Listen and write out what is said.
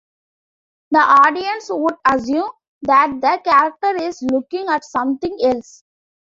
The audience would assume that the character is looking at something else.